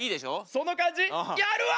その感じやるわ！